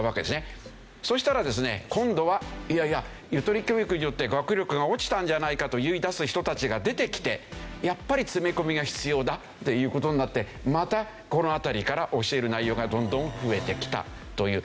そしたらですね今度は「いやいやゆとり教育によって学力が落ちたんじゃないか？」と言い出す人たちが出てきてやっぱり詰め込みが必要だっていう事になってまたこの辺りから教える内容がどんどん増えてきたという。